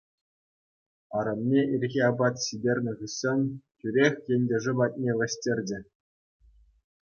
Арӑмне ирхи апат ҫитернӗ хыҫҫӑн тӳрех ентешӗ патне вӗҫтерчӗ.